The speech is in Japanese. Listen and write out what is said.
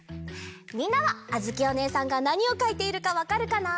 みんなはあづきおねえさんがなにをかいているかわかるかな？